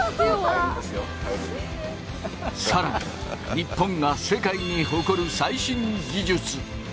更に日本が世界に誇る最新技術。